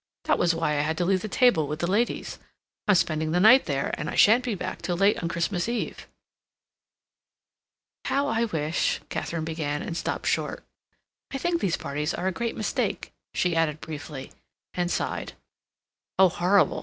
That was why I had to leave the table with the ladies—I'm spending the night there, and I shan't be back till late on Christmas Eve." "How I wish—" Katharine began, and stopped short. "I think these parties are a great mistake," she added briefly, and sighed. "Oh, horrible!"